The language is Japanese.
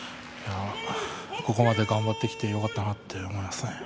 ここまで頑張ってきてよかったなって思いますね。